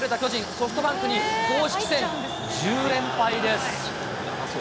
ソフトバンクに公式戦１０連敗です。